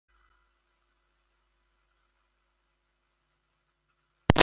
Muxu bat emango dizut, nahi baduzu.